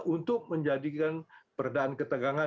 untuk menjadikan perdaan ketegangan